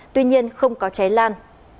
tuy nhiên không có cháy lan